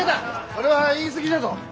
それは言い過ぎじゃぞ。